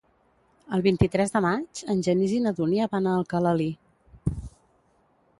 El vint-i-tres de maig en Genís i na Dúnia van a Alcalalí.